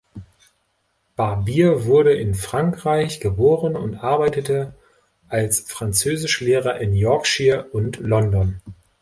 Barbier wurde in Frankreich geboren und arbeitete als Französischlehrer in Yorkshire und London.